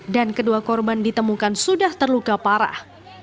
dan kedua korban ditemukan sudah terluka parah